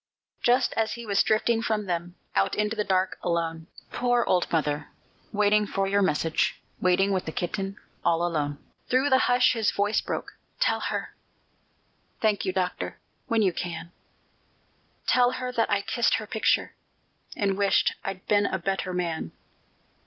Just as he was drifting from them, Out into the dark, alone (Poor old mother, waiting for your message, Waiting with the kitten, all alone!), Through the hush his voice broke, "Tell her Thank you, Doctor when you can, Tell her that I kissed her picture, And wished I'd been a better man."